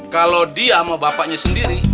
kalau dia sama bapaknya sendiri